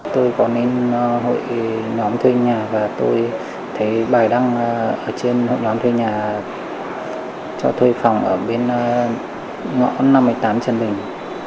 tôi đã đến nhà và tôi thấy bài đăng ở trên hội đoán thuê nhà cho thuê phòng ở bên ngõ năm mươi tám trần bình